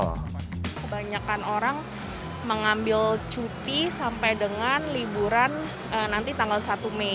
kebanyakan orang mengambil cuti sampai dengan liburan nanti tanggal satu mei